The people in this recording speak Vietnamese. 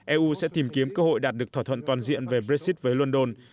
eu sẽ tìm kiếm cơ hội đạt được thỏa thuận toàn diện về brexit với london